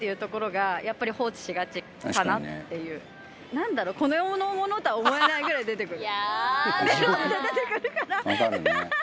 なんだろうこの世のものとは思えないぐらい出てくる。